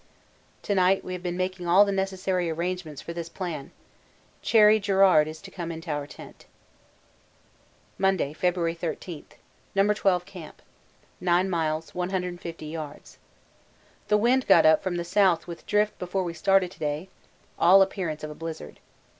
To night we have been making all the necessary arrangements for this plan. Cherry Garrard is to come into our tent. Monday, February 13. No. 12 Camp. 9 miles 150 yds. The wind got up from the south with drift before we started yesterday all appearance of a blizzard.